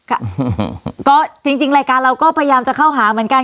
ค่ะก็จริงจริงรายการเราก็พยายามจะเข้าหาเหมือนกัน